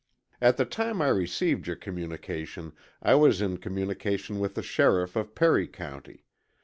At the time I received your communication I was in communication with the sheriff of Perry County.